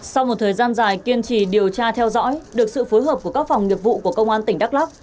sau một thời gian dài kiên trì điều tra theo dõi được sự phối hợp của các phòng nghiệp vụ của công an tỉnh đắk lắc